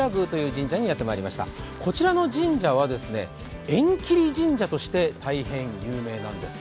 こちらの神社は、縁切り神社として大変有名なんです。